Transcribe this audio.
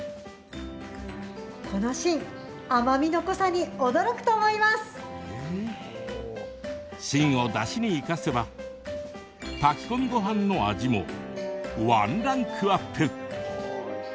この芯芯を、だしに生かせば炊き込みごはんの味もワンランクアップ！